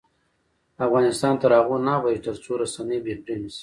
افغانستان تر هغو نه ابادیږي، ترڅو رسنۍ بې پرې نشي.